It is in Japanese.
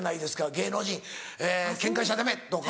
芸能人ケンカしちゃダメ！とか。